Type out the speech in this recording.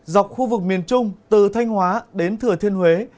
dọc khu vực miền trung từ thanh hóa đến thừa thiên huế